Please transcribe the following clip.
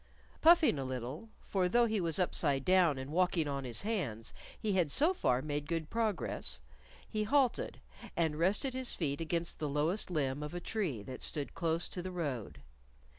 Puffing a little, for though he was upside down and walking on his hands, he had so far made good progress he halted and rested his feet against the lowest limb of a tree that stood close to the road.